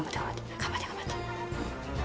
頑張って頑張って。